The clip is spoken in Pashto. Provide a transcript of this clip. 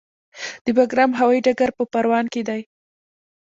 د بګرام هوايي ډګر په پروان کې دی